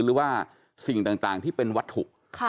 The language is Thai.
หรือว่าสิ่งต่างที่เป็นวัตถุ